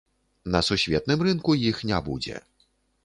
На сусветным рынку іх не будзе.